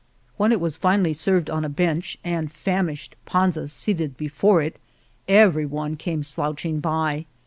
When it was finally served on a bench and famished Panza seated before it, every one came slouching by.